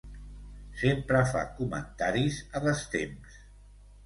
Sempre fa comentaris a destemps.